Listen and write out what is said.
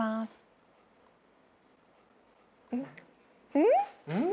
うん？